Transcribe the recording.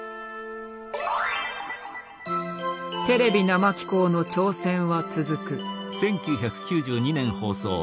「テレビ生紀行」の挑戦は続く。